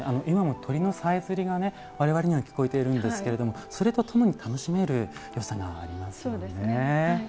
今も鳥のさえずりがわれわれには聞こえているんですけれどもそれとともに楽しめるよさがありますもんね。